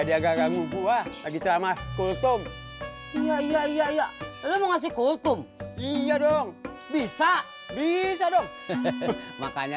sampai jumpa di video selanjutnya